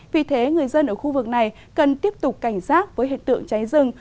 vì thế người dân ở khu vực này cần tiếp tục cảnh giác với hiện tượng cháy rừng